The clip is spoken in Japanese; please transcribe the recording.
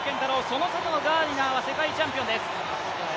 その外のガーディナーは世界チャンピオンですね。